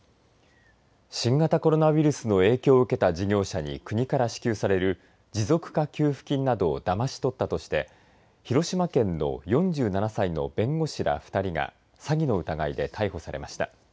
新型コロナウイルスの影響を受けた事業者に国から支給される持続化給付金などをだまし取ったとして広島県の４７歳の弁護士ら２人が詐欺の疑いで逮捕されました。